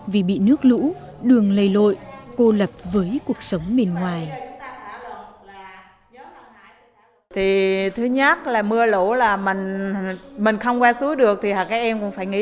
vì bị nước lũ đường lầy lội cô lập với cuộc sống bên ngoài